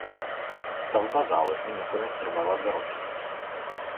Stavba záložny nakonec trvala dva roky.